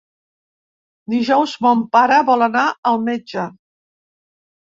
Dijous mon pare vol anar al metge.